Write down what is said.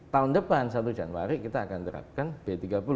tahun depan satu januari kita akan terapkan b tiga puluh